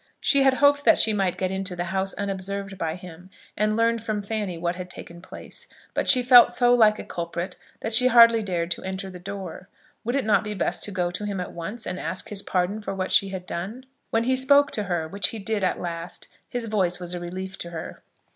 She had hoped that she might get into the house unobserved by him, and learn from Fanny what had taken place; but she felt so like a culprit that she hardly dared to enter the door. Would it not be best to go to him at once, and ask his pardon for what she had done? When he spoke to her, which he did at last, his voice was a relief to her.